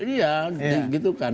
iya gitu kan